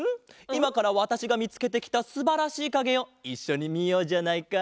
いまからわたしがみつけてきたすばらしいかげをいっしょにみようじゃないか。